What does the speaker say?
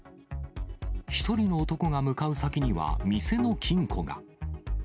１人の男が向かう先には店の金庫が。